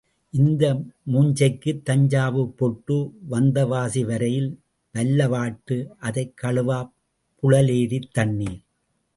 இந்த மூஞ்சிக்குத் தஞ்சாவூர்ப் பொட்டு வந்தவாசி வரையில் வல்லவாட்டு அதைக் கழுவப் புழலேரித் தண்ணீர்.